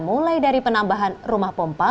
mulai dari penambahan rumah pompa